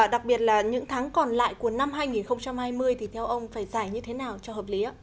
đặc biệt là những tháng còn lại của năm hai nghìn hai mươi thì theo ông phải giải như thế nào cho hợp lý